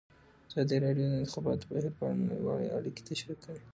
ازادي راډیو د د انتخاباتو بهیر په اړه نړیوالې اړیکې تشریح کړي.